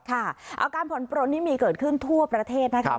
อาการผ่อนปลนนี่มีเกิดขึ้นทั่วประเทศนะครับ